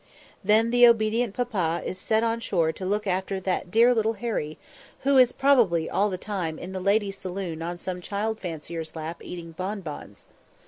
Then the obedient papa is sent on shore to look after "that dear little Harry," who is probably all the time in the ladies' saloon on some child fancier's lap eating bonbons.